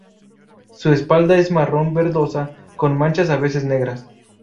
Su espalda es marrón verdosa con manchas a veces negras.